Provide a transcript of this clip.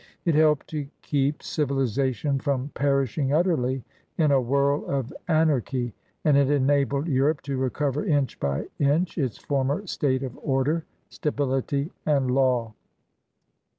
It helped to keep civilization from perishing utterly in a whirl of anarchy, and it enabled Europe to recover inch by inch its former state of order, stability, and law.